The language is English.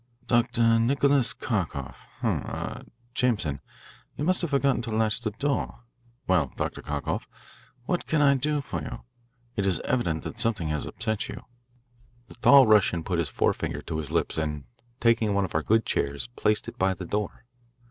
"Dr. Nicholas Kharkoff hum er, Jameson, you must have forgotten to latch the door. Well, Dr. Kharkoff, what can I do for you? It is evident something has upset you." The tall Russian put his forefinger to his lips and, taking one of our good chairs, placed it by the door.